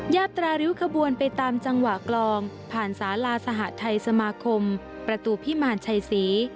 ตราริ้วขบวนไปตามจังหวะกลองผ่านสาลาสหทัยสมาคมประตูพิมารชัยศรี